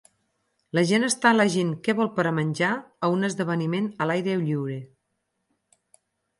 La gent està elegint què vol per a menjar a un esdeveniment a l'aire lliure